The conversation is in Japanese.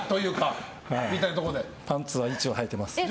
パンツは一応はいてます。